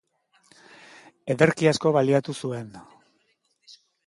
Ederki asko baliatu zuen.